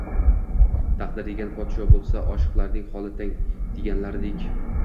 “Taqdir degan podshoh bo’lsa, oshiqlarning holi tang”, deganlaridek